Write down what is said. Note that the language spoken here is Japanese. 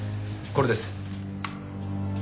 これです。